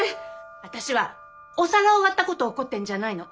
私はお皿を割ったことを怒ってるんじゃないの。